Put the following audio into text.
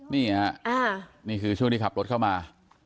นี่ค่ะนี่คือช่วงที่ขับรถเข้ามา